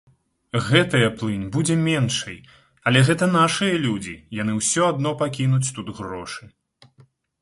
Гэтая плынь будзе меншай, але гэта нашыя людзі, яны ўсё адно пакінуць тут грошы.